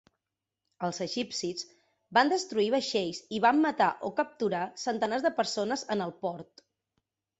Els egipcis van destruir vaixells i van matar o capturar centenars de persones en el port.